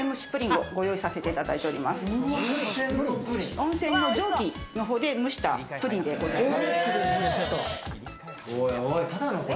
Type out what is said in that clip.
温泉の蒸気で蒸したプリンでございます。